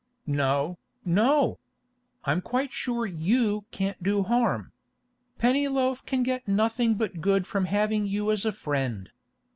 'No, no! I'm quite sure you can't do harm. Pennyloaf can get nothing but good from having you as a friend.